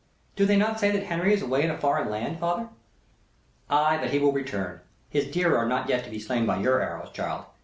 "Do they not say that Henry is away in a foreign land, father?" "Ay, but he will return. His deer are not yet to be slain by your arrows, child.